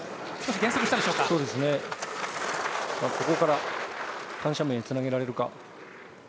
ここから緩斜面につなげられるか。